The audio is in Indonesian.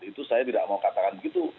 itu saya tidak mau katakan begitu